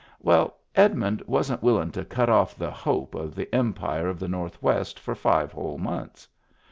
Well, Edmund wasn't willin' to cut off the hope of the empire of the Northwest for five whole months.